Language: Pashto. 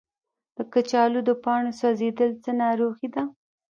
د کچالو د پاڼو سوځیدل څه ناروغي ده؟